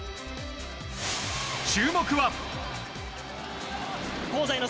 注目は。